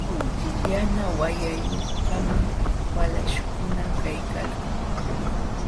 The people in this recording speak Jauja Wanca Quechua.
Yana wayayuqkamam walaśhkuna kaykalkan.